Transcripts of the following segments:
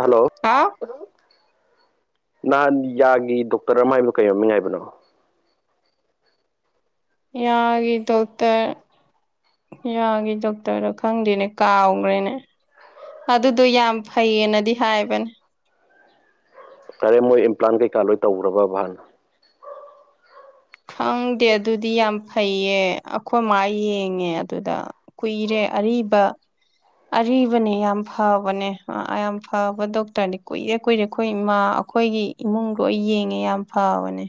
hello ꯍꯥꯎ ꯅꯍꯥꯟ ꯌꯥꯒꯤ ꯗꯣꯛꯇꯔ ꯑꯃ ꯍꯥꯏꯕꯣ ꯀꯩꯔꯝꯃꯤꯉꯥꯏꯕꯅꯣ ꯌꯥꯒꯤ ꯗꯣꯛꯇꯔ ꯌꯥꯒꯤꯦ ꯗꯣꯛꯇꯔꯗ ꯈꯪꯗꯦꯅꯦ ꯀꯥꯎꯈ꯭ꯔꯦꯅꯦ ꯑꯗꯨꯗꯣ ꯌꯥꯝ ꯐꯩꯌꯦꯅꯗꯤ ꯍꯥꯏꯕꯅꯦ ꯀꯔꯦ ꯃꯣꯏ ꯏꯝꯄ꯭ꯂꯥꯟ ꯀꯩꯀꯥ ꯂꯣꯏ ꯇꯧꯈꯔꯕ ꯚꯅ ꯈꯪꯗꯦ ꯑꯗꯨꯗꯤ ꯌꯥꯝ ꯐꯩꯌꯦ ꯑꯩꯈꯣꯏ ꯃꯥ ꯌꯦꯡꯉꯦ ꯑꯗꯨꯗ ꯀꯨꯏꯔꯦ ꯑꯔꯤꯕ ꯑꯔꯤꯕꯅꯦ ꯌꯥꯝ ꯐꯕꯅꯦ ꯌꯥꯝ ꯐꯕ ꯗꯣꯛꯇꯔꯅꯦ ꯀꯨꯏꯔꯦ ꯀꯨꯏꯔꯦ ꯑꯩꯈꯣꯏ ꯏꯃꯥ ꯑꯩꯈꯣꯏꯒꯤ ꯏꯃꯨꯡ ꯂꯣ ꯌꯦꯡꯉꯦ ꯌꯥꯝ ꯐꯕꯅꯦ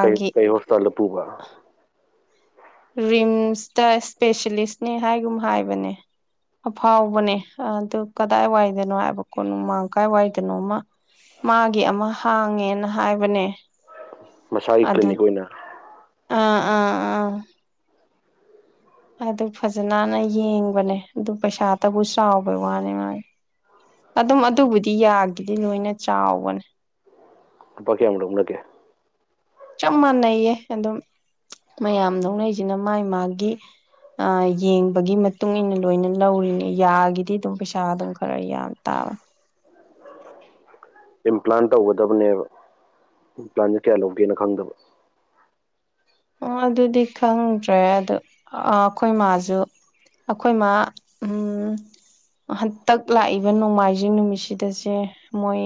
ꯀꯩ ꯀꯩ ꯍꯣꯁꯄꯤꯇꯥꯜ ꯂ ꯄꯨꯕ ꯔꯤꯝꯁꯇ ꯏꯁꯄꯦꯁꯦꯂꯤꯁꯅꯦ ꯍꯥꯏꯒꯨꯝ ꯍꯥꯏꯕꯅꯦ ꯑꯐꯥꯎꯕꯅꯦ ꯑꯗꯨ ꯀꯗꯥꯏ ꯋꯥꯏꯗꯅꯣ ꯍꯥꯏꯕꯀꯣ ꯅꯃꯥꯡ ꯀꯥꯏ ꯋꯥꯏꯗꯅꯣꯃ ꯃꯥꯒꯤ ꯑꯃ ꯍꯥꯡꯉꯦꯅ ꯍꯥꯏꯕꯅꯦ ꯃꯁꯥꯒꯤ ꯀ꯭ꯂꯤꯅꯤꯛ ꯑꯗꯨ ꯑꯣꯏꯅ ꯑꯥ ꯑꯥ ꯑꯥ ꯑꯗꯨ ꯐꯖꯅꯅ ꯌꯦꯡꯕꯅꯦ ꯑꯗꯨ ꯄꯩꯁꯥꯇꯕꯨ ꯆꯥꯎꯕꯩ ꯋꯥꯅꯤ ꯃꯥꯒꯤ ꯑꯗꯨꯝ ꯑꯗꯨꯕꯨꯗꯤ ꯌꯥꯒꯤꯗꯤ ꯂꯣꯏꯅ ꯆꯥꯎꯕꯅꯦ ꯎꯄꯥ ꯀꯦꯌꯥ ꯎꯅꯀꯦ ꯆꯞ ꯃꯥꯟꯅꯩꯌꯦ ꯑꯗꯨꯝ ꯃꯌꯥꯝꯗꯧꯅꯩꯁꯤꯅ ꯃꯥꯥꯏ ꯃꯥꯒꯤ ꯑ ꯌꯦꯡꯕꯒꯤ ꯃꯇꯨꯡ ꯏ ꯃꯇꯨꯡꯏꯟꯅ ꯂꯣꯏꯅ ꯂꯧꯔꯤꯅꯦ ꯌꯥꯒꯤꯗꯤ ꯑꯗꯨꯝ ꯄꯩꯁꯥ ꯑꯗꯨꯝ ꯈꯔ ꯌꯥꯝ ꯇꯥ ꯑ ꯏꯝꯄ꯭ꯂꯥꯟ ꯇꯧꯒꯗꯕꯅꯦꯕ ꯏꯝꯄ꯭ꯂꯥꯟꯁꯦ ꯀꯌꯥ ꯂꯧꯒꯦꯅ ꯈꯪꯗꯕ ꯑꯗꯨꯗꯤ ꯈꯪꯗ꯭ꯔꯦ ꯑꯗꯨ ꯑꯩꯈꯣꯏ ꯃꯥꯖ ꯑꯩꯈꯣꯏꯃ ꯍꯟꯇꯛ ꯂꯥꯛꯏꯕ ꯅꯣꯡꯃꯥꯏꯖꯤꯡ ꯅꯨꯃꯤꯠꯁꯤꯗꯁꯦ ꯃꯣꯏ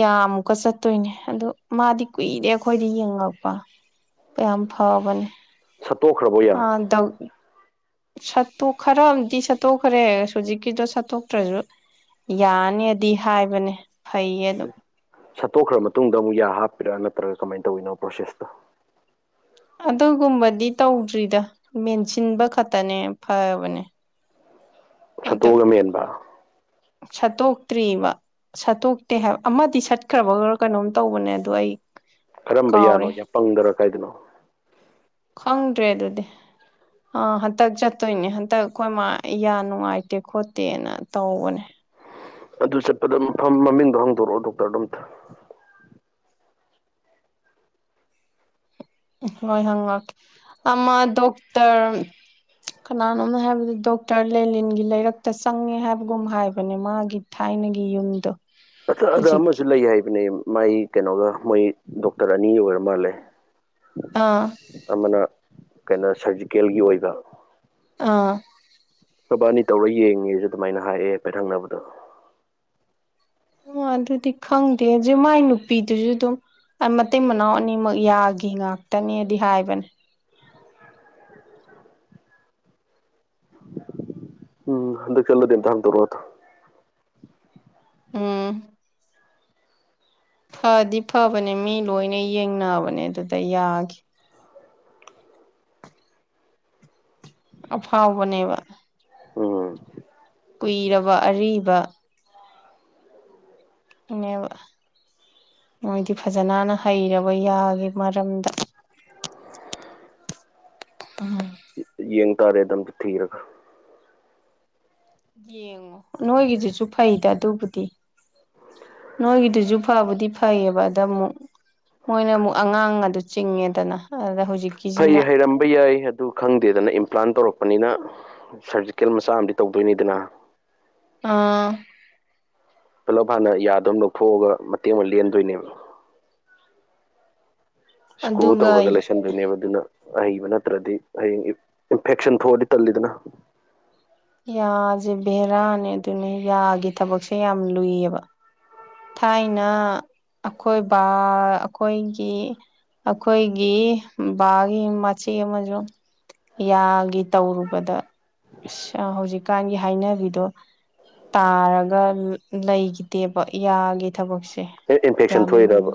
ꯌꯥꯝꯃꯨꯀ ꯆꯠꯇꯣꯏꯅꯦ ꯑꯗꯨ ꯃꯥꯗꯤ ꯀꯨꯏꯔꯦ ꯑꯩꯈꯣꯏꯗ ꯌꯦꯡꯉꯛꯄ ꯄꯦꯝ ꯐꯥꯎꯅꯤ ꯁꯠꯇꯣ ꯈꯔꯕꯣ ꯌꯥ ꯁꯠꯇꯣꯛ ꯈꯔ ꯑꯃꯗꯤ ꯁꯠꯇꯣꯛꯈ꯭ꯔꯦ ꯍꯧꯖꯤꯛꯀꯤꯗꯣ ꯁꯠꯇꯣꯛꯇ꯭ꯔꯁꯨ ꯌꯥꯅꯤꯗꯤ ꯍꯥꯏꯕꯅꯦ ꯐꯩꯌꯦ ꯑꯗꯨꯝ ꯁꯠꯇꯣꯛꯈ꯭ꯔ ꯃꯇꯨꯡꯗ ꯑꯃꯨꯛ ꯌꯥ ꯍꯥꯞꯄꯤꯔꯛ ꯅꯠꯇ꯭ꯔꯒ ꯀꯃꯥꯏꯅ ꯇꯧꯋꯤꯅꯣ ꯄ꯭ꯔꯣꯁꯦꯁꯇꯣ ꯑꯗꯨꯒꯨꯝꯕꯗꯤ ꯇꯧꯗ꯭ꯔꯤꯗ ꯃꯦꯟꯁꯤꯟꯕ ꯈꯛꯇꯅꯦ ꯐꯕꯅꯦ ꯁꯠꯇꯣꯛꯑꯒ ꯃꯦꯟꯕ ꯁꯇꯣꯛꯇ꯭ꯔꯤꯔꯤꯕ ꯁꯠꯇꯣꯛꯇꯦ ꯍꯥꯏꯕ ꯑꯃꯗꯤ ꯁꯠꯈ꯭ꯔꯕ ꯈꯔ ꯀꯩꯅꯣꯝ ꯇꯧꯕꯅꯦ ꯑꯗꯣ ꯑꯩ ꯀꯔꯝꯕ ꯌꯥꯅꯣ ꯀꯥꯎꯔꯦ ꯌꯥꯝ ꯄꯪꯗꯔ ꯀꯥꯏꯗꯅꯣ ꯈꯪꯗ꯭ꯔꯦ ꯑꯗꯨꯗꯤ ꯑꯥ ꯍꯟꯇꯛ ꯆꯠꯇꯣꯏꯅꯦ ꯍꯟꯇꯛ ꯑꯩꯈꯣꯏ ꯃꯥ ꯌꯥ ꯅꯨꯡꯉꯥꯏꯇꯦ ꯈꯣꯠꯇꯦꯅ ꯇꯧꯕꯅꯦ ꯑꯗꯨ ꯆꯠꯄꯗ ꯃꯐꯝ ꯃꯃꯤꯡꯗꯣ ꯍꯥꯡꯗꯣꯔꯛꯑꯣ ꯗꯣꯛꯇꯔꯗ ꯑꯝꯇ ꯍꯣꯏ ꯍꯪꯉꯛꯀꯦ ꯑꯃ ꯗꯣꯛꯇꯔ ꯀꯅꯥꯅꯣꯝꯅ ꯍꯥꯏꯕꯗꯤ ꯗꯣꯛꯇꯔ ꯂꯦꯂꯤꯟꯒꯤ ꯂꯩꯔꯛꯇ ꯆꯪꯉꯦ ꯍꯥꯏꯕꯒꯨꯝ ꯍꯥꯏꯕꯅꯦ ꯃꯥꯒꯤ ꯊꯥꯏꯅ ꯑꯒꯤ ꯌꯨꯝꯗꯣ ꯑ ꯑꯗ ꯑꯃꯁꯨ ꯍꯧꯖꯤꯛꯀꯤ ꯂꯩ ꯍꯥꯏꯕꯅꯦ ꯃꯥꯏ ꯀꯩꯅꯣꯒ ꯃꯣꯏ ꯗꯣꯛꯇꯔ ꯑꯅꯤ ꯑꯣꯏꯔ ꯃꯥꯜꯂꯦ ꯑꯥ ꯑꯃꯅ ꯀꯩꯅꯣ ꯁꯔꯖꯤꯀꯦꯜꯒꯤ ꯑꯣꯏꯕ ꯑꯥ ꯁꯕꯥꯅꯤ ꯇꯧꯔ ꯌꯦꯡꯉꯦꯁꯨ ꯑꯗꯨꯃꯥꯏꯅ ꯍꯥꯏꯑꯦ ꯍꯥꯏꯐꯦꯠ ꯊꯪꯅꯕꯗꯣ ꯎ ꯑꯗꯨꯗꯤ ꯈꯪꯗꯦ ꯍꯧ ꯃꯥꯏ ꯅꯨꯄꯤꯗꯨꯁꯨ ꯑꯗꯨꯝ ꯑꯩ ꯃꯇꯩ ꯃꯅꯥꯎ ꯑꯅꯤꯃꯛ ꯌꯥꯒꯤ ꯉꯇꯅꯦꯗꯤ ꯍꯥꯏꯕꯅꯦ ꯎꯝ ꯑꯗꯨꯗ ꯆꯦꯜꯂꯗ ꯏꯇ ꯍ ꯇꯧꯔ ꯑꯣꯏꯠꯇ ꯎꯝ ꯐꯗꯤ ꯐꯕꯅꯦ ꯃꯤ ꯂꯣꯏꯅ ꯌꯦꯡꯅꯕꯅꯦ ꯑꯗꯨꯗ ꯌꯥꯒꯦ ꯑꯐꯥꯎꯕꯅꯦꯕ ꯎꯝ ꯀꯨꯏꯔꯕ ꯑꯔꯤꯕ ꯑꯅꯦꯕ ꯃꯣꯏꯗꯤ ꯐꯖꯅꯅ ꯍꯩꯔꯕ ꯌꯥꯒꯦ ꯃꯔꯝꯗ ꯑ ꯌꯦꯡ ꯇꯥꯔꯦꯗ ꯑꯝꯇ ꯊꯤꯔꯒ ꯌꯦꯡꯉꯣ ꯅꯣꯏꯒꯤꯁꯤꯁꯨ ꯐꯩꯗ ꯑꯗꯨꯕꯨꯗꯤ ꯅꯣꯏꯒꯤꯗꯨꯁꯨ ꯐꯕꯨꯗꯤ ꯐꯩꯌꯦꯕ ꯑꯗ ꯑꯃꯨꯛ ꯃꯣꯏꯅ ꯑꯃꯨꯛ ꯑꯉꯥꯡ ꯑꯗꯨ ꯆꯤꯡꯉꯦꯗꯅ ꯑꯗꯨꯗ ꯍꯧꯖꯤꯛ ꯐꯩ ꯍꯩꯔꯝꯕ ꯌꯥꯏ ꯑꯗꯨ ꯈꯪꯗꯦꯗꯅ ꯏꯝꯄ꯭ꯂꯥꯟ ꯇꯧꯔꯛꯄ ꯂꯄꯅꯤꯅ ꯁꯔꯖꯤꯀꯦꯜ ꯃꯆꯥ ꯑꯃꯗꯤ ꯇꯧꯗꯣꯏꯅꯤꯗꯅ ꯑꯥ ꯄꯨꯂꯞ ꯍꯥꯟꯅ ꯌꯥꯗꯅ ꯂꯧꯊꯣꯛꯑꯒ ꯃꯇꯦꯡ ꯑꯃ ꯂꯦꯟꯗꯣꯏꯅꯦꯕ ꯁꯀ꯭ꯔꯨ ꯑꯗꯨꯒ ꯇꯧꯔꯒ ꯂꯩꯁꯟꯗꯣꯏꯅꯦꯕ ꯑꯗꯨꯅ ꯑꯍꯩꯕ ꯅꯠꯇ꯭ꯔꯗꯤ ꯍꯌꯦꯡ ꯏꯟꯐꯦꯛꯁꯟ ꯊꯣꯛꯑꯗꯤ ꯇꯜꯂꯤꯗꯅ ꯌꯥꯁꯦ ꯚꯦꯔꯥꯅꯦ ꯑꯗꯨꯅ ꯌꯥꯒꯤ ꯊꯕꯛꯁꯦ ꯌꯥꯝ ꯂꯨꯏꯌꯦꯕ ꯊꯥꯏꯅ ꯑꯈꯣꯏꯕ ꯑꯩꯈꯣꯏꯒꯤ ꯑꯩꯈꯣꯏꯒꯤ ꯕꯥꯒꯤ ꯃꯆꯤ ꯑꯃꯁꯨꯡ ꯌꯥꯒꯤ ꯇꯧꯔꯨꯕꯗ ꯑ ꯍꯧꯖꯤꯛꯀꯥꯟ ꯍꯥꯏꯅꯕꯤꯗꯣ ꯇꯥꯔꯒ ꯂꯩꯈꯤꯗꯦꯕ ꯌꯥꯒꯤ ꯊꯕꯛꯁꯦ ꯍ ꯏꯟꯐꯦꯛꯁꯟ ꯊꯣꯛꯏꯗꯕ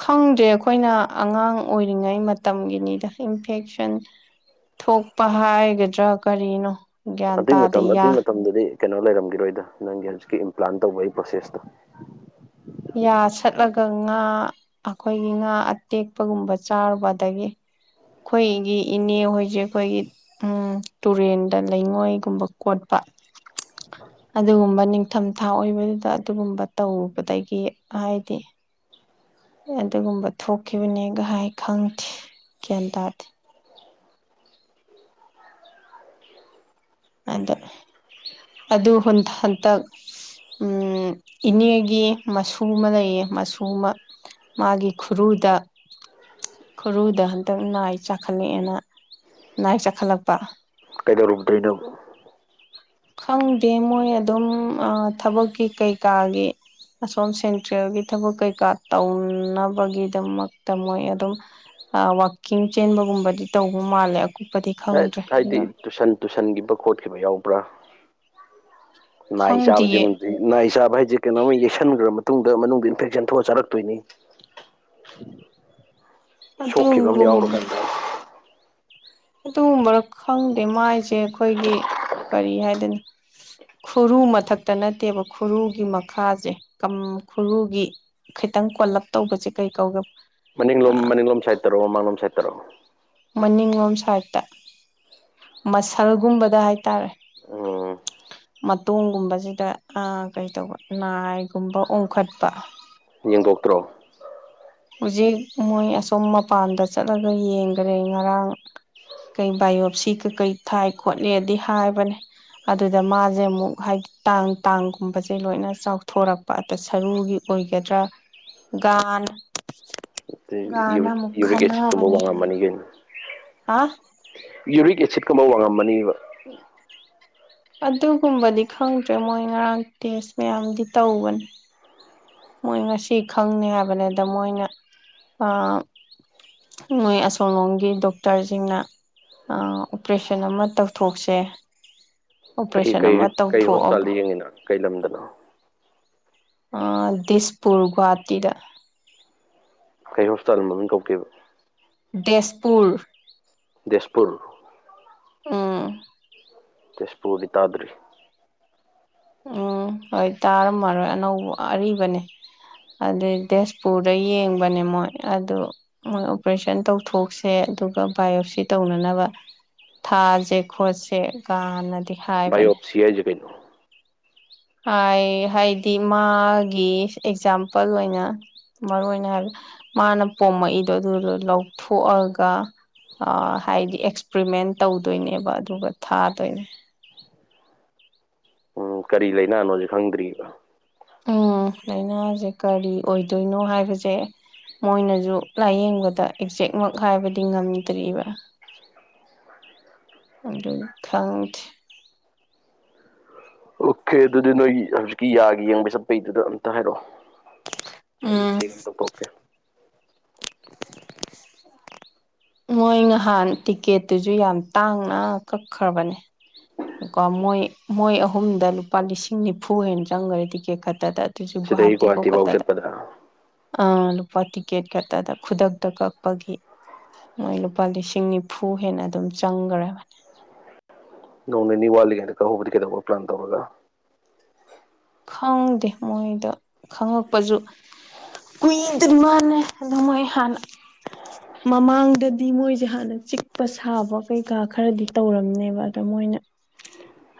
ꯈꯪꯗꯦ ꯑꯩꯈꯣꯏꯅ ꯑꯉꯥꯡ ꯑꯣꯏꯔꯤꯉꯩ ꯃꯇꯝꯒꯤꯅꯤꯗ ꯏꯟꯐꯦꯛꯁꯟ ꯊꯣꯛꯄ ꯍꯥꯏꯒꯗ꯭ꯔꯥ ꯀꯔꯤꯅꯣ ꯒ꯭ꯌꯥꯟ ꯑꯗꯨꯏ ꯇꯥꯗꯦ ꯃꯇꯝ ꯌꯥ ꯑꯗꯨꯏ ꯃꯇꯝꯗꯗꯤ ꯀꯩꯅꯣ ꯂꯩꯔꯝꯈꯤꯔꯣꯏꯗ ꯅꯪꯒꯤ ꯍꯧꯖꯤꯛꯀꯤ ꯏꯝꯄ꯭ꯂꯥꯟ ꯇꯧꯕ ꯑꯩ ꯄ꯭ꯔꯣꯁꯦꯁꯇꯣ ꯌꯥ ꯁꯠꯂꯒ ꯉꯥ ꯑꯩꯈꯣꯏꯒꯤ ꯉꯥ ꯑꯇꯦꯛꯄꯒꯨꯝꯕ ꯆꯥꯔꯨꯕ ꯑꯗꯒꯤ ꯑꯩꯈꯣꯏꯒꯤ ꯏꯅꯦ ꯍꯣꯏꯁꯦ ꯑꯩꯈꯣꯏꯒꯤ ꯎ ꯇꯨꯔꯦꯟꯗ ꯂꯩꯉꯣꯏꯒꯨꯝꯕ ꯀꯣꯠꯄ ꯑꯗꯨꯒꯨꯝꯕ ꯅꯤꯡꯊꯝꯊꯥ ꯑꯣꯏꯕꯗꯨꯗ ꯑꯗꯨꯒꯨꯝꯕ ꯇꯧꯕꯗ ꯍꯥꯏꯗꯤ ꯑꯗꯨꯒꯨꯝꯕ ꯊꯣꯛꯈꯤꯕꯅꯦ ꯒꯥꯏ ꯈꯪꯗꯦ ꯒ꯭ꯌꯥꯟ ꯇꯥꯗꯦ ꯑꯗ ꯑꯗꯨꯗꯨ ꯍꯇ ꯍꯟꯇ ꯏꯅꯦꯒꯤ ꯃꯁꯨ ꯑꯃ ꯂꯩꯌꯦ ꯃꯁꯨ ꯑꯃ ꯃꯥꯒꯤ ꯈꯨꯔꯨꯗ ꯈꯨꯔꯨꯗ ꯍꯟꯇꯛ ꯅꯥꯏ ꯆꯥꯈꯠꯂꯛꯑꯦꯅ ꯅꯥꯏ ꯆꯥꯛꯈꯠꯂꯛꯄ ꯗꯔꯇꯅꯣ ꯈꯪꯗꯦ ꯃꯣꯏ ꯑꯗꯨꯝ ꯊꯕꯛꯀꯤ ꯀꯩꯀꯥꯒꯤ ꯑꯁꯣꯝ ꯁꯦꯟꯇ꯭ꯔꯦꯜꯒꯤ ꯊꯕꯛ ꯀꯩꯀꯥ ꯇꯧꯅꯕꯒꯤꯗꯃꯛꯇ ꯃꯣꯏ ꯑꯗꯨꯝ ꯋꯥꯋꯥꯛꯀꯤꯡ ꯆꯦꯟꯕꯒꯨꯝꯕꯗꯤ ꯇꯧꯕ ꯃꯥꯜꯂꯦ ꯑꯀꯨꯞꯄꯗꯤ ꯈꯪꯗ꯭ꯔꯦ ꯍꯥꯏꯗꯤ ꯑꯗꯣ ꯇꯨꯁꯟ ꯇꯨꯁꯟꯈꯤꯕ ꯈꯣꯠꯈꯤꯕ ꯌꯥꯎꯕ꯭ꯔꯥ ꯅꯥꯏ ꯈꯪꯗꯤꯌꯦ ꯆꯥꯕꯁꯤꯃ ꯅꯥꯏ ꯆꯥꯕ ꯍꯥꯏꯁꯦ ꯀꯩꯅꯣꯝ ꯌꯦꯛꯁꯟꯈ꯭ꯔꯕ ꯃꯇꯨꯡ ꯇꯨꯡꯗ ꯃꯅꯨꯡꯗ ꯏꯟꯐꯦꯛꯁꯟ ꯊꯣꯛꯑ ꯆꯔꯛꯇꯣꯏꯅꯤ ꯁꯣꯛꯈꯤꯕ ꯑꯃ ꯑꯗꯨꯒꯨꯝ ꯌꯥꯎꯔꯀꯥꯟꯗ ꯑꯗꯨꯒꯨꯝꯕꯔ ꯈꯪꯗꯦ ꯃꯥꯏꯁꯦ ꯑꯩꯈꯣꯏꯒꯤ ꯀꯔꯤ ꯍꯥꯏꯗꯅꯣ ꯈꯨꯔꯨ ꯃꯊꯛꯇ ꯅꯠꯇꯦꯕ ꯈꯨꯔꯨꯒꯤ ꯃꯈꯥꯁꯦ ꯈꯨꯔꯨꯒꯤ ꯈꯤꯇꯪ ꯀꯣꯜꯂꯞ ꯇꯧꯕꯁꯦ ꯀꯩ ꯀꯧꯒ ꯃꯅꯤꯡꯂꯣꯝ ꯃꯅꯤꯡꯂꯣꯝ ꯁꯥꯏꯠ ꯇꯔꯛꯑꯣ ꯃꯃꯥꯡꯂꯣꯝ ꯁꯥꯏꯠ ꯇꯧꯔꯛꯑꯣ ꯃꯅꯤꯡꯂꯣꯝ ꯁꯥꯏꯠꯇ ꯃꯁꯜꯒꯨꯝꯕꯗ ꯍꯥꯏꯇꯥꯔꯦ ꯎꯝ ꯃꯇꯣꯡꯒꯨꯝꯕꯁꯤꯗ ꯀꯩꯗꯧꯕ ꯅꯥꯏꯒꯨꯝꯕ ꯑꯣꯡꯈꯠꯄ ꯌꯦꯡꯗꯣꯛꯇ꯭ꯔꯣ ꯍꯧꯖꯤꯛ ꯃꯣꯏ ꯑꯁꯣꯝ ꯃꯄꯥꯟꯗ ꯆꯠꯂꯒ ꯌꯦꯡꯈꯔꯦ ꯉꯔꯥꯡ ꯀꯩ ꯕꯥꯏꯑꯣꯞꯁꯤ ꯀ ꯀꯩ ꯊꯥꯏ ꯈꯣꯠꯂꯤꯗꯤ ꯍꯥꯏꯕꯅꯦ ꯑꯗꯨꯗ ꯃꯥꯁꯦ ꯑꯃꯨꯛ ꯍꯥꯏꯗꯤ ꯇꯥꯡ ꯇꯥꯡꯒꯨꯝꯕꯁꯦ ꯂꯣꯏꯅ ꯆꯥꯎꯊꯣꯔꯛꯄ ꯑ ꯁꯔꯨꯒꯤ ꯑꯣꯏꯒꯗ꯭ꯔꯥ ꯒꯥꯟ ꯒꯥꯟꯅ ꯌꯨꯔꯤꯛ ꯑꯃꯨꯛ ꯌꯨꯔꯤꯛ ꯑꯦꯁꯤꯠꯀꯨꯝꯕ ꯈꯟꯅꯕꯅꯦ ꯋꯥꯡꯉꯝ ꯃꯅꯤ ꯀꯩꯅ ꯍꯥ ꯌꯨꯔꯤꯛ ꯑꯦꯁꯤꯠꯀꯕ ꯋꯥꯡꯉꯝꯃꯅꯦꯕ ꯑꯗꯨꯒꯨꯝꯕꯗꯤ ꯈꯪꯗ꯭ꯔꯦ ꯃꯣꯏ ꯉꯔꯥꯡ ꯇꯦꯁ ꯃꯌꯥꯝꯗꯤ ꯇꯧꯕꯅꯦ ꯃꯣꯏ ꯉꯁꯤ ꯈꯪꯅꯤ ꯍꯥꯏꯕꯅꯤꯗ ꯃꯣꯏꯅ ꯃꯣꯏ ꯑꯁꯣꯝꯂꯣꯝꯒꯤ ꯗꯣꯛꯇꯔꯁꯤꯡꯅ ꯑꯣꯄꯔꯦꯁꯟ ꯑꯃ ꯇꯧꯊꯣꯛꯁꯦ ꯀꯩ ꯑꯣꯄꯔꯦꯁꯟ ꯀꯩ ꯑꯃ ꯀꯩ ꯇꯧꯊꯣꯛꯑꯒ ꯍꯣꯁꯄꯤꯇꯥꯜꯗ ꯌꯦꯡꯉꯤꯅ ꯀꯩ ꯂꯝꯗꯅꯣ ꯗꯤꯁꯄꯨꯔ ꯒꯨꯍꯥꯇꯤꯗ ꯀꯩ ꯍꯣꯁꯄꯤꯇꯥꯜꯒꯨꯝꯕ ꯑꯗꯨꯝ ꯀꯧꯀꯦꯕ ꯇꯦꯖꯄꯨꯔ ꯇꯖꯄꯨꯔ ꯑꯥ ꯇꯦꯁꯄꯨꯗꯤ ꯇꯥꯗ꯭ꯔꯤ ꯎꯝ ꯍꯣꯏ ꯇꯥꯔꯝꯃꯔꯣꯏ ꯑꯅꯧꯕ ꯑꯔꯤꯕꯅꯦ ꯑꯗꯨꯩ ꯇꯦꯁꯄꯨꯔꯗ ꯌꯦꯡꯕꯅꯦ ꯃꯣꯏ ꯑꯗꯨ ꯃꯣꯏ ꯑꯣꯄꯔꯦꯁꯟ ꯇꯧꯊꯣꯛꯁꯦ ꯑꯗꯨꯒ ꯕꯥꯏꯑꯣꯞꯁꯤ ꯇꯧꯅꯅꯕ ꯊꯥꯁꯦ ꯈꯣꯠꯁꯦ ꯀꯥꯟꯅꯗꯦ ꯏ ꯑꯣꯞꯁꯤ ꯍꯥꯏꯏꯖ ꯀꯩꯅꯩꯅꯣ ꯍꯥꯏ ꯍꯥꯏꯗꯤ ꯃꯥꯒꯤ ꯑꯦꯛꯖꯥꯝꯄꯜ ꯑꯣꯏꯅ ꯃꯔꯨ ꯑꯣꯏꯅ ꯍꯥꯏꯕ ꯃꯥꯅ ꯄꯣꯝꯃꯛꯏꯗꯣ ꯑꯗꯨꯗꯣ ꯂꯧꯊꯣꯛꯑꯒ ꯍꯥꯏꯗꯤ ꯑꯦꯛꯁꯄ꯭ꯔꯤꯃꯦꯟ ꯇꯧꯗꯣꯏꯅꯦꯕ ꯑꯗꯨꯒ ꯊꯥꯗꯣꯏꯅꯦ ꯎꯝ ꯀꯔꯤ ꯂꯩꯥꯏꯅꯥꯅꯣꯁ ꯈꯪꯗ꯭ꯔꯤꯕ ꯎꯝ ꯂꯥꯏꯅꯥꯁꯦ ꯀꯔꯤ ꯑꯣꯏꯗꯣꯏꯅꯣ ꯍꯥꯏꯕꯁꯦ ꯃꯣꯏꯅꯁꯨ ꯂꯥꯏꯌꯦꯡꯕꯗ ꯑꯦꯛꯖꯦꯛꯃꯛ ꯍꯥꯏꯕꯗꯤ ꯉꯝꯗ꯭ꯔꯤꯕ ꯑ ꯈ꯭ꯔꯥꯎꯗ ꯑꯣꯀꯦ ꯑꯗꯨꯗꯤ ꯅꯣꯏ ꯍꯧꯖꯤꯛꯀꯤ ꯌꯥꯒꯤ ꯌꯦꯡꯕꯩ ꯆꯠꯄꯩꯗꯨꯗ ꯑꯝꯇ ꯍꯥꯏꯔꯛꯑꯣ ꯎꯝ ꯊ ꯑꯣꯀꯦ ꯃꯣꯏ ꯅꯍꯥꯟ ꯇꯤꯛꯀꯦꯠꯇꯨꯁꯨ ꯌꯥꯝ ꯇꯥꯡꯅ ꯀꯛꯈ꯭ꯔꯕꯅꯦ ꯀꯣ ꯃꯣꯏ ꯃꯣꯏ ꯑꯍꯨꯝꯗ ꯂꯨꯄꯥ ꯂꯤꯁꯤꯡ ꯅꯤꯐꯨ ꯍꯦꯟꯅ ꯆꯪꯈꯔꯦ ꯇꯤꯛꯀꯦꯠ ꯈꯛꯇꯗ ꯁꯤꯗꯒꯤ ꯁꯨꯒꯋꯥꯍꯥꯇꯤ ꯄꯣꯈ ꯒꯨꯍꯥꯇꯤꯐꯥꯎ ꯇꯗ ꯆꯠꯄꯗ ꯑ ꯂꯨꯄꯥ ꯇꯤꯛꯀꯦꯠ ꯈꯛꯇꯗ ꯈꯨꯗꯛꯇ ꯀꯛꯄꯒꯤ ꯃꯣꯏ ꯂꯨꯄꯥ ꯂꯤꯁꯤꯡ ꯅꯤꯐꯨ ꯍꯦꯟꯅ ꯑꯗꯨꯝ ꯆꯪꯈ꯭ꯔꯕꯅꯤ ꯅꯧꯅꯦꯅꯤꯂꯤ ꯀꯦ ꯀ ꯍꯕꯗꯤ ꯀꯦ ꯇꯧꯕ ꯄ꯭ꯂꯥꯟ ꯇꯧꯕꯒ ꯈꯪꯗꯦ ꯃꯣꯏꯗ ꯈꯪꯉꯛꯄꯁꯨ ꯀꯨꯏꯗ ꯃꯥꯅꯦ ꯑꯗꯣ ꯃꯣꯏ ꯍꯥꯟꯅ ꯃꯃꯥꯡꯗꯗꯤ ꯃꯣꯏꯖꯦ ꯍꯥꯟꯅ ꯆꯤꯛꯄ ꯁꯥꯕ ꯀꯩꯀꯥ ꯈꯔꯗꯤ ꯇꯧꯔꯝꯅꯦꯕ ꯑꯗꯣ ꯃꯣꯏ ꯃꯣꯏꯅꯥ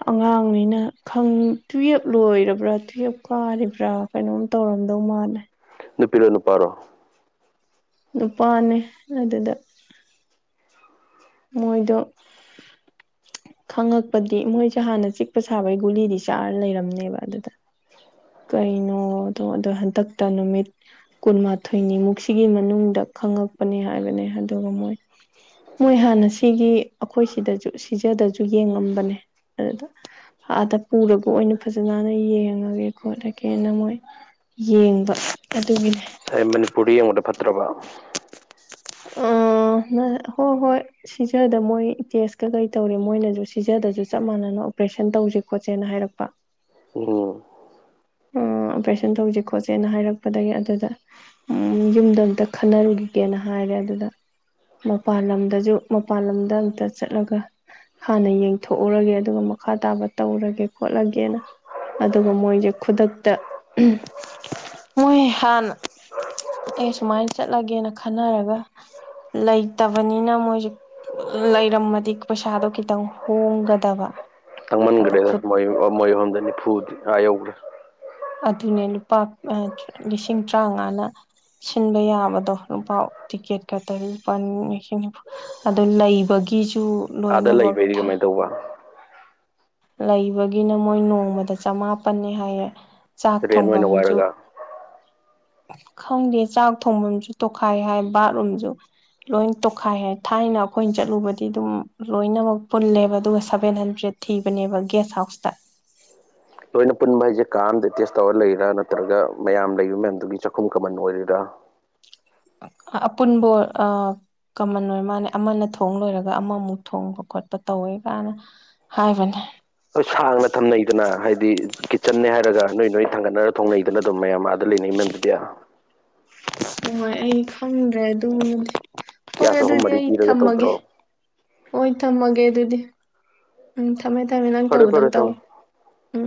ꯑꯉꯥꯡꯅꯤꯅ ꯈꯪ ꯇꯨꯌꯦꯞ ꯂꯣꯔ ꯥ ꯕ꯭ꯔ ꯇꯨꯌꯦꯞ ꯀꯥꯔꯤꯕ꯭ꯔ ꯀꯩꯅꯣꯝ ꯇꯧꯔꯝꯗꯧ ꯃꯥꯜꯂꯦ ꯅꯨꯄꯤꯔꯣ ꯅꯨꯄꯥꯔꯣ ꯅꯨꯄꯥꯅꯦ ꯑꯗꯨꯗ ꯃꯣꯏꯗꯣ [inaudible] ꯈꯪꯉꯛꯄꯗꯤ ꯃꯣꯏꯁꯦ ꯍꯥꯟꯅ ꯆꯤꯛꯄ ꯁꯥꯕꯒꯤ ꯒꯨꯂꯤꯗꯤ ꯆꯥꯔ ꯂꯩꯔꯝꯅꯦꯕ ꯑꯗꯨꯗꯥ ꯀꯩꯅꯣꯗꯣ ꯑꯗꯣ ꯍꯟꯗꯛꯇ ꯅꯨꯃꯤꯠ ꯀꯨꯟꯃꯥꯊꯣꯏꯅꯤꯃꯨꯛꯁꯤꯒꯤ ꯃꯅꯨꯡꯗꯥ ꯈꯪꯉꯛꯄꯅꯤ ꯍꯥꯏꯕꯅꯦ ꯑꯗꯨꯒꯥ ꯃꯣꯏ ꯃꯣꯏ ꯍꯥꯟꯅ ꯁꯤꯒꯤ ꯑꯈꯣꯏ ꯁꯤꯖꯤꯗꯖꯨ ꯁꯤꯖꯗꯁꯨ ꯌꯦꯡꯉꯝꯕꯅꯦ ꯑꯗꯨꯗꯥ ꯑꯥꯗ ꯄꯨꯔꯒ ꯑꯣꯏꯅ ꯐꯖꯅ ꯍꯥꯟꯅ ꯌꯦꯡꯉꯒꯦ ꯈꯣꯠꯂꯒꯦꯅ ꯃꯣꯏ ꯌꯦꯡꯕ ꯑꯗꯨꯒꯤꯅꯦ ꯁꯥꯏ ꯃꯅꯤꯄꯨꯔꯗ ꯌꯦꯡꯕꯗ ꯐꯠꯇ꯭ꯔꯕ ꯎꯝ ꯎꯝ ꯅ ꯍꯣ ꯍꯣꯏ ꯁꯤꯖꯗ ꯃꯣꯏ ꯇꯦꯁꯀ ꯀꯩ ꯇꯧꯔꯤ ꯃꯣꯏꯅꯖꯨ ꯁꯤꯖꯗꯁꯨ ꯆꯞ ꯃꯥꯟꯅꯅ ꯑꯣꯄ꯭ꯔꯦꯁꯟ ꯇꯧꯖꯦ ꯈꯣꯠꯁꯦꯅ ꯍꯥꯏꯔꯛꯄ ꯎꯝ ꯎꯝ ꯑꯣꯄ꯭ꯔꯦꯁꯟ ꯇꯧꯖꯦ ꯈꯣꯠꯁꯦꯅ ꯍꯥꯏꯔꯛꯄꯗꯒꯤ ꯑꯗꯨꯗ ꯎꯝ ꯌꯨꯝꯗ ꯑꯝꯇ ꯈꯟꯅꯔꯨꯒꯦ ꯒꯦꯅ ꯍꯥꯏꯔꯦ ꯑꯗꯨꯗ ꯃꯄꯥꯥꯜ ꯂꯝꯗꯖꯨ ꯃꯄꯥꯜ ꯂꯝꯗ ꯑꯝꯇ ꯆꯠꯂꯒ ꯍꯥꯟꯅ ꯌꯦꯡꯊꯣꯛꯎꯔꯒꯦ ꯑꯗꯨꯒ ꯃ ꯃꯈꯥ ꯇꯥꯕ ꯇꯧꯔꯒꯦ ꯈꯣꯠꯂꯒꯦꯅ ꯑꯗꯨꯒ ꯃꯣꯏꯖꯦ ꯈꯨꯗꯛꯇ ꯃꯣꯏ ꯍꯥꯟꯅ ꯑꯩ ꯁꯨꯃꯥꯏꯟ ꯆꯠꯂꯒꯦꯅ ꯈꯟꯅꯔꯒ ꯂꯩꯇꯕꯅꯤꯅ ꯃꯣꯏꯖꯦ ꯂꯩꯔꯝꯃꯗꯤ ꯄꯩꯁꯥꯗꯣ ꯈꯤꯇꯪ ꯍꯣꯡꯒꯗꯕ ꯑꯗ ꯃꯟꯒ꯭ꯔꯦꯗ ꯈꯨꯠ ꯃꯣꯏ ꯑꯃꯣꯏ ꯑꯍꯨꯝꯗ ꯅꯤꯐꯨꯗꯤ ꯑꯥ ꯌꯧꯒ꯭ꯔꯦ ꯑꯗꯨꯅꯦ ꯂꯨꯄꯥ ꯑ ꯂꯤꯁꯤꯡ ꯇ꯭ꯔꯥꯉꯥꯅ ꯁꯤꯟꯕ ꯌꯥꯕꯗꯣ ꯂꯨꯄꯥ ꯇꯤꯛꯀꯦꯠ ꯈꯠꯇꯒꯤ ꯂꯨꯄꯥ ꯂꯤꯁꯤꯡ ꯅꯤꯐꯨ ꯑꯗꯨ ꯂꯩꯕꯒꯤꯁꯨ ꯇꯨ ꯑꯥꯗ ꯂꯣꯏꯅꯃꯛ ꯂꯩꯕꯩꯗꯤ ꯊꯥ ꯀꯃꯥꯏꯅ ꯇꯧꯕ ꯂꯩꯕꯒꯤꯅ ꯃꯣꯏ ꯅꯣꯡꯃꯗ ꯆꯃꯥꯄꯟꯅꯤ ꯍꯥꯏꯌꯦ ꯆꯥꯛ ꯔꯦꯟ ꯑꯣꯏꯅ ꯊꯣꯡꯐꯝꯖꯨ ꯋꯥꯏꯔꯒ ꯈꯪꯗꯦ ꯆꯥꯛ ꯊꯣꯡꯐꯝꯁꯨ ꯇꯣꯈꯥꯏ ꯍꯥꯏ ꯕꯥꯠꯔꯨꯝꯖꯨ ꯂꯣꯏꯟ ꯇꯣꯈꯥꯏ ꯍꯥꯏ ꯊꯥꯏꯅ ꯑꯈꯣꯏꯅ ꯆꯠꯂꯨꯕꯗꯤ ꯑꯗꯨꯝ ꯂꯣꯏꯅꯃꯛ ꯄꯨꯜꯂꯦꯕ ꯑꯗꯨꯒ ꯁꯚꯦꯟ ꯍꯟꯗ꯭ꯔꯦꯠ ꯊꯤꯕꯅꯦꯕ ꯒꯦꯁ ꯍꯥꯎꯁꯇ [inaudible] ꯂꯣꯏꯅ ꯄꯨꯟꯕ ꯍꯥꯏꯖꯦ ꯀꯥ ꯑꯝꯗ ꯑꯦꯇꯦꯁ ꯇꯧꯔ ꯂꯩꯔꯥ ꯅꯠꯇ꯭ꯔꯒ ꯃꯌꯥꯝ ꯂꯩꯕ ꯃꯌꯥꯝꯗꯨꯒꯤ ꯆꯥꯛꯈꯨꯝ ꯀꯃꯟ ꯑꯣꯏꯔꯤꯔꯥ [inaudible] ꯑ ꯑꯄꯨꯟꯕꯣꯔ ꯑꯥ ꯀꯃꯟ ꯑꯣꯏ ꯃꯥꯅꯦ ꯑꯃꯅ ꯊꯣꯡ ꯂꯣꯏꯔꯒ ꯑꯃꯃꯨꯛ ꯊꯣꯡꯕ ꯈꯣꯠꯄ ꯇꯧꯋꯦ ꯀꯥꯏꯅ ꯍꯥꯏꯕꯅꯦ ꯍꯣꯏ ꯁꯥꯡꯅ ꯊꯝꯅꯩꯗꯅ ꯍꯥꯏꯗꯤ ꯀꯤꯠꯆꯟꯅꯦ ꯍꯥꯏꯔꯒ ꯅꯣꯏ ꯅꯣꯏ ꯊꯥꯡꯒꯠꯅꯔꯒ ꯊꯣꯡꯅꯩꯗꯅ ꯑꯗꯨꯝ ꯃꯌꯥꯝꯃ ꯗ ꯂꯩꯅꯩ ꯃꯌꯥꯝꯗꯨꯗꯤ ꯍꯣꯏ ꯑꯩ ꯈꯪꯗ꯭ꯔꯦ ꯑꯗꯨꯕꯨ ꯗꯤ ꯍꯣꯏ ꯒ꯭ꯌꯥꯁ ꯑꯍꯨꯝ ꯑꯗꯨꯗꯤ ꯃꯔꯤ ꯑꯩ ꯄꯤꯔꯒ ꯊꯝꯃꯒꯦ ꯇꯧꯗ꯭ꯔꯣ ꯍꯣꯏ ꯊꯝꯃꯒꯦ ꯑꯗꯨꯗꯤ ꯎꯝ ꯊꯝꯃꯦ ꯊꯝꯃꯦ ꯅꯪ ꯐꯔꯦ ꯇꯧꯒꯗꯕ ꯐꯔꯦ ꯊꯝꯃꯣ ꯇꯧꯔꯣ ꯎꯝ